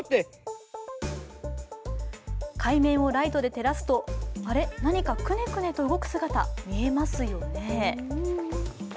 海面をライトで照らすとあれ何かくねくねと動く姿が見えますよね。